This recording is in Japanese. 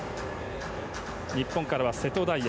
日本からは瀬戸大也